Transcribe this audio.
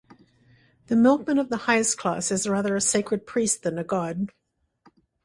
The milkman of the highest class is rather a sacred priest than a god.